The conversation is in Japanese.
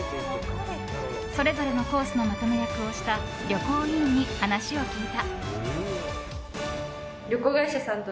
それぞれのコースのまとめ役をした旅行委員に話を聞いた。